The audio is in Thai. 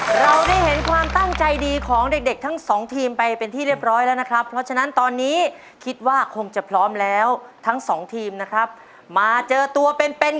เราได้เห็นความตั้งใจดีของเด็กเด็กทั้งสองทีมไปเป็นที่เรียบร้อยแล้วนะครับเพราะฉะนั้นตอนนี้คิดว่าคงจะพร้อมแล้วทั้งสองทีมนะครับมาเจอตัวเป็นเป็น